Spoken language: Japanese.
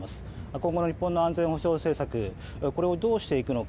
今後の日本の安全保障政策をどうしていくのか。